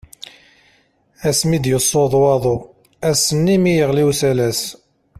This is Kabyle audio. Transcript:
Asmi i d-yessuḍ waḍu, ass-nni mi yeɣli usalas.